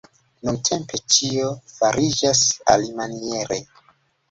Nuntempe ĉio fariĝas alimaniere.